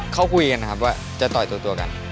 เขาคุยกันนะครับว่าจะต่อยตัวกัน